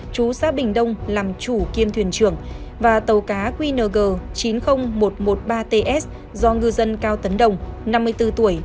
chú xã bình đông làm chủ kiêm thuyền trưởng và tàu cá qng chín mươi nghìn một trăm một mươi ba ts do ngư dân cao tấn đồng năm mươi bốn tuổi